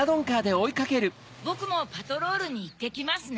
ボクもパトロールにいってきますね。